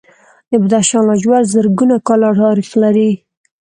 د بدخشان لاجورد زرګونه کاله تاریخ لري